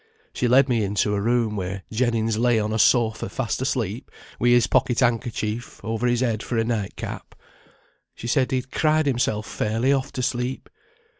She led me into a room, where Jennings lay on a sofa fast asleep, wi' his pocket handkercher over his head for a night cap. She said he'd cried himself fairly off to sleep.